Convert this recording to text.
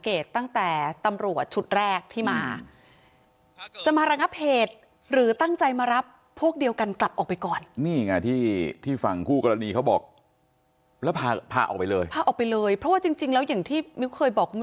คือถ้าจะดากันต่อยกันอะไรกันชอบอีกเรื่องอีกนะ